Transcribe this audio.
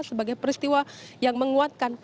sebagai peristiwa yang menguatkan